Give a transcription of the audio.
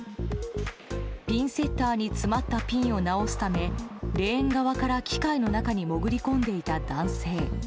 ピンセッターに詰まったピンを直すためレーン側から機械の中に潜り込んでいた男性。